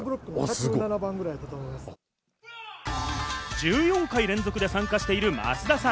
１４回連続で参加している増田さん。